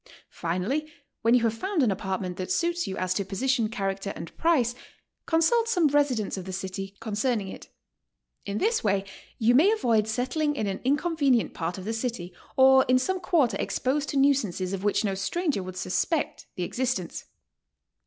Finally, when you have found an apartment that suits you as to position, character, and price, consult some resident of the city concerning it; in this way you may avoid settling in an inconvenient part of the city, or in some quarter expotsed to nuisances of which no stranger would suspect the existence.